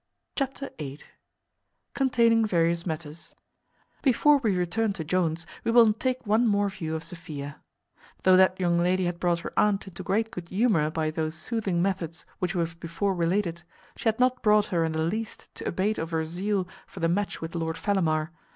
Chapter viii. Containing various matters. Before we return to Mr Jones, we will take one more view of Sophia. Though that young lady had brought her aunt into great good humour by those soothing methods which we have before related, she had not brought her in the least to abate of her zeal for the match with Lord Fellamar.